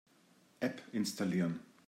App installieren.